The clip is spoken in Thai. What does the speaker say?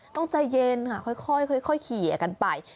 ต้องใจเย็นค่อยเคลียร์กันไป